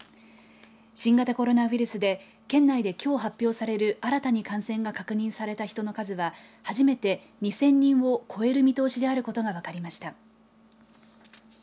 新型コロナウイルスで県内できょう発表される新たに感染が確認された人の数は初めて２０００人を超える見通しであることが分かりました。